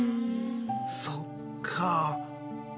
そっか。